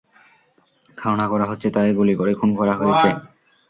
ধারণা করা হচ্ছে তাকে গুলি করে খুন করা হয়েছে।